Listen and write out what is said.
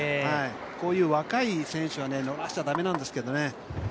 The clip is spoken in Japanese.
こういう若い選手は乗らしちゃだめなんですけどね。